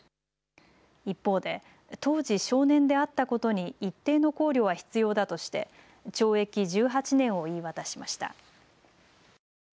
一方で当時、少年であったことに一定の考慮は必要だとして懲役１８年を言い渡しました。